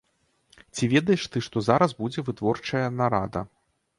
Ці ведаеш ты, што зараз будзе вытворчая нарада?